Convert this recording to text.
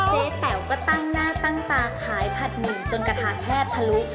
แต๋วก็ตั้งหน้าตั้งตาขายผัดหมี่จนกระทะแทบทะลุ